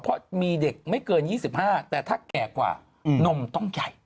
เพราะมีเด็กไม่เกิน๒๕แต่ถ้าแก่กว่านมต้องใหญ่